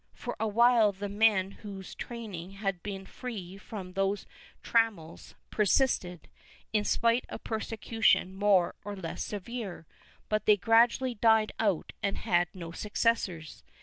For awhile the men whose training had been free from these trammels persisted, in spite of persecution more or less severe, but they gradually died out and had no successors.